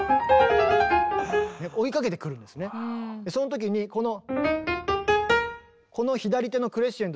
その時にこの。